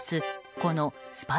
このスパイ